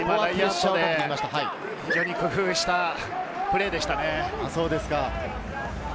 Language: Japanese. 非常に工夫したプレーでしたね。